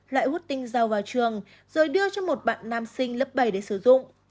loại hút tinh rau vào trường rồi đưa cho một bạn nam sinh lớp bảy để sử dụng